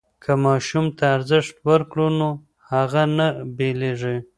که ماشوم ته ارزښت ورکړو نو هغه نه بېلېږي.